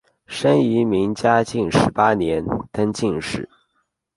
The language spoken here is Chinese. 生于明嘉靖十八年登进士。